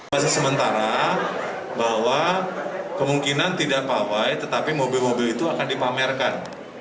masih sementara bahwa kemungkinan tidak pawai tetapi mobil mobil itu akan dipamerkan